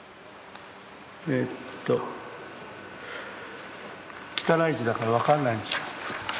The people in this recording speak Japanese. えっと汚い字だから分かんないんですよ。